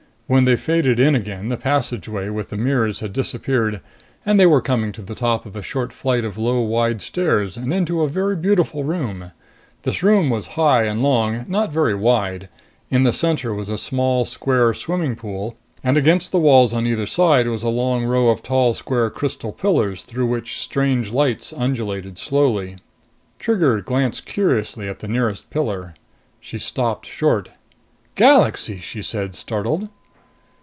When they faded in again, the passageway with the mirrors had disappeared, and they were coming to the top of a short flight of low, wide stairs and into a very beautiful room. This room was high and long, not very wide. In the center was a small square swimming pool, and against the walls on either side was a long row of tall square crystal pillars through which strange lights undulated slowly. Trigger glanced curiously at the nearest pillar. She stopped short. "Galaxy!" she said, startled.